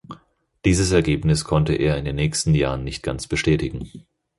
Dieses Ergebnis konnte er in den nächsten Jahren nicht ganz bestätigen.